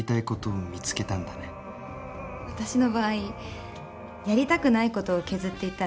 私の場合やりたくない事を削っていったら